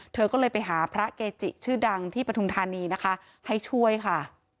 เธอก็เลยไปหาพระเกจิชื่อดังที่ปฐุมธานีนะคะให้ช่วยค่ะ